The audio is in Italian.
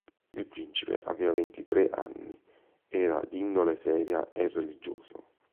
Il principe aveva ventitré anni, era d'indole seria e religioso.